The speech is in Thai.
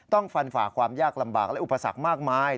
ต้องฟันฝ่าความยากลำบากและอุปสรรคมากมาย